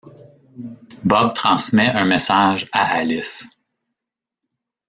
Bob transmet un message à Alice.